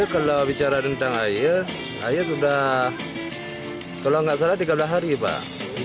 kalau bicara tentang air air sudah kalau nggak salah tiga belas hari pak